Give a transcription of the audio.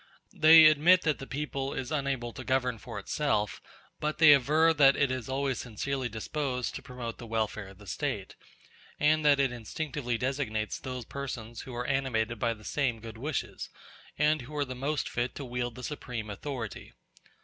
They admit that the people is unable to govern for itself, but they aver that it is always sincerely disposed to promote the welfare of the State, and that it instinctively designates those persons who are animated by the same good wishes, and who are the most fit to wield the supreme authority.